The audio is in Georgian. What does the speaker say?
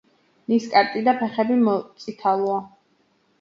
ნისკარტი და ფეხები მოწითალოა.